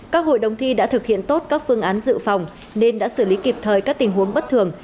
các hội đồng thi đã thực hiện tốt các phương án dự phòng nên đã xử lý kịp thời các tình huống bất thường